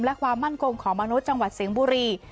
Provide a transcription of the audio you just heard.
และความมั่นคงของมนุษย์จังหวัดสิงห์บุรี